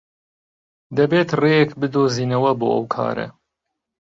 دەبێت ڕێیەک بدۆزینەوە بۆ ئەو کارە.